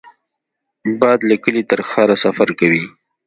باد له کلي تر ښار سفر کوي